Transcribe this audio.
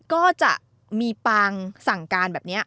ก็จะมีปางสั่งการแบบนี้